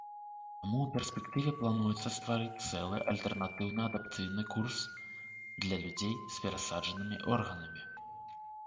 Таму ў перспектыве плануецца стварыць цэлы альтэрнатыўны адаптацыйны курс для людзей з перасаджанымі органамі.